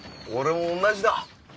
俺も同じだ。